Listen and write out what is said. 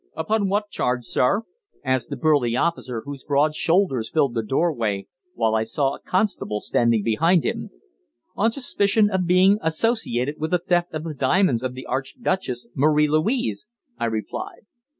"Upon what charge, sir?" asked the burly officer, whose broad shoulders filled the doorway, while I saw a constable standing behind him. "On suspicion of being associated with the theft of the diamonds of the Archduchess Marie Louise," I replied.